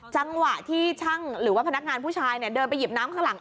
จังหวะที่ช่างหรือว่าพนักงานผู้ชายเดินไปหยิบน้ำข้างหลัง